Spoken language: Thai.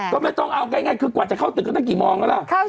ก็ไม่ต้องเอาได้ง่ายกว่าจะเข้าตึกก็ตั้งนั้นกี่โมงก็รับ